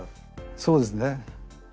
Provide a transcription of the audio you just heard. そうですね。